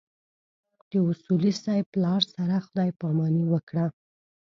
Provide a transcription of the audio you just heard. د اصولي صیب پلار سره خدای ج پاماني وکړه.